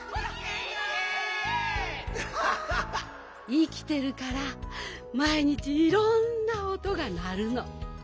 いきてるからまいにちいろんなおとがなるの。